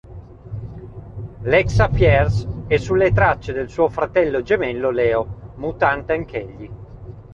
Lexa Pierce è sulle tracce del suo fratello gemello Leo, mutante anch'egli.